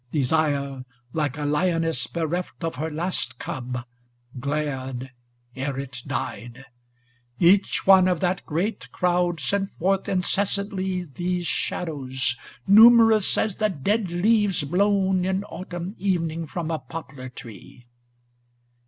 Desire, like a lioness bereft 480 MISCELLANEOUS POEMS * Of her last cub, glared ere it died; each one Of that great crowd sent forth incessantly These shadows, numerous as the dead leaves blown * In autumn evening from a poplar tree.